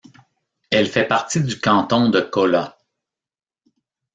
Elle fait partie du canton de Kola.